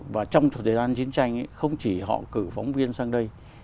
và trong thời gian chiến tranh không chỉ họ cử phóng viên sang đây